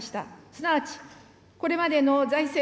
すなわち、これまでの財政